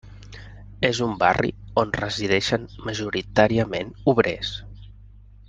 És un barri on resideixen majoritàriament obrers.